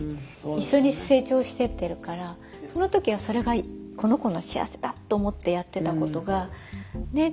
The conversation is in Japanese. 一緒に成長してってるからその時はそれがこの子の幸せだと思ってやってたことがね？